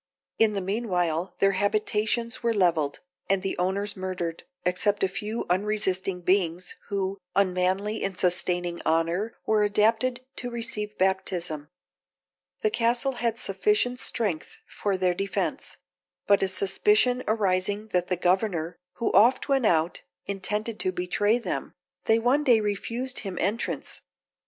In the mean while their habitations were levelled, and the owners murdered, except a few unresisting beings, who, unmanly in sustaining honour, were adapted to receive baptism. The castle had sufficient strength for their defence; but a suspicion arising that the governor, who often went out, intended to betray them, they one day refused him entrance.